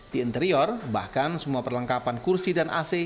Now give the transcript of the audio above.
di interior bahkan semua perlengkapan kursi dan ac